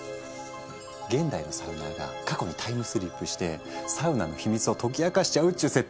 現代のサウナーが過去にタイムスリップしてサウナの秘密を解き明かしちゃうっちゅう設定で。